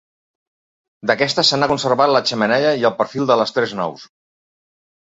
D'aquesta se n'ha conservat la xemeneia i el perfil de les tres naus.